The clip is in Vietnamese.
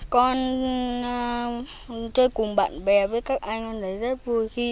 con chơi cùng bạn bè với các anh ấy rất vui khi